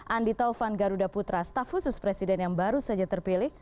andi taufan garuda putra staf khusus presiden yang baru saja terpilih